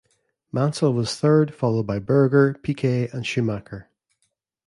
Mansell was third followed by Berger, Piquet, and Schumacher.